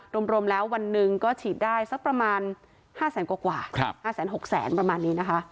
รวมแล้ววันหนึ่งก็ฉีดได้สักประมาณ๕แสนกว่า๕๖๐๐๐ประมาณนี้นะคะ